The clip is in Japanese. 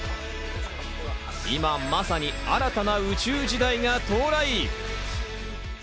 今まさに新たな宇宙時代が到来。